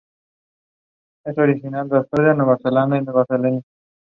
It saw the election of Ron Dellums.